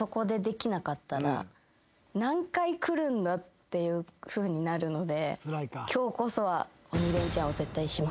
っていうふうになるので。